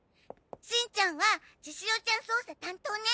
しんちゃんはチシオちゃん捜査担当ね。